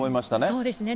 そうですね。